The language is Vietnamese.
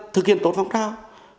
thực hiện tốt phong trào